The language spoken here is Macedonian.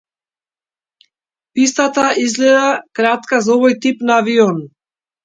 Пистата изгледа кратка за овој тип на авион.